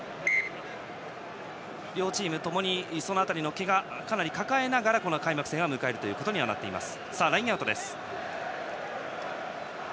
両チームともにけが人を抱えながらこの開幕戦を迎えることになっています。